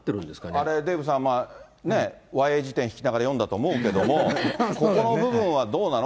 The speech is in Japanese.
あれ、デーブさん、和英辞典ひきながら、読んだと思うけども、ここの部分はどうなの？